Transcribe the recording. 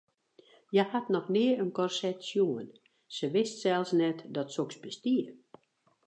Hja hat noch nea in korset sjoen, se wist sels net dat soks bestie.